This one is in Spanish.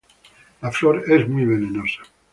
La flor es muy venenosa.